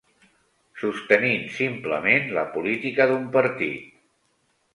Sostenint simplement la política d'un partit.